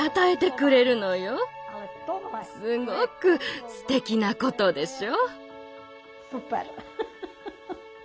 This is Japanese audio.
すごくすてきなことでしょ？